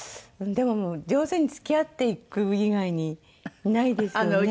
でも上手に付き合っていく以外にないですよね。